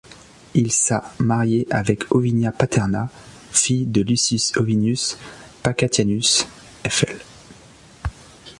Il s'a marié avec Ovinia Paterna, fille de Lucius Ovinius Pacatianus, fl.